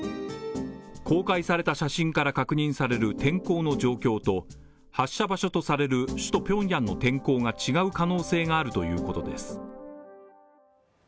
公開された写真から確認される天候の状況と発射場所とされる首都ピョンヤンの天候が違う可能性があるということです。